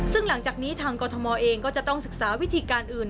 ซึ่งหลังจากนี้ทางกรทมเองก็จะต้องศึกษาวิธีการอื่น